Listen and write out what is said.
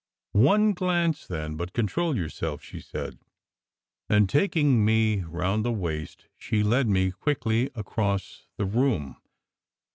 "One glance, then; but control yourself," she said. And taking me round the waist, she led me quickly across the room.